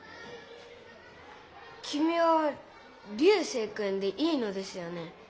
きみは流星君でいいのですよね？